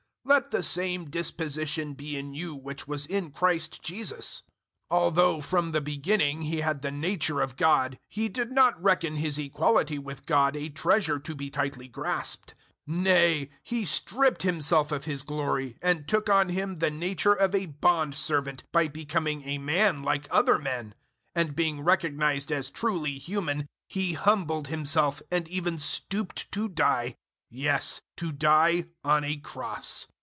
002:005 Let the same disposition be in you which was in Christ Jesus. 002:006 Although from the beginning He had the nature of God He did not reckon His equality with God a treasure to be tightly grasped. 002:007 Nay, He stripped Himself of His glory, and took on Him the nature of a bondservant by becoming a man like other men. 002:008 And being recognized as truly human, He humbled Himself and even stooped to die; yes, to die on a cross.